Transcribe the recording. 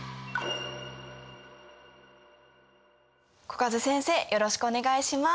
小風先生よろしくお願いします。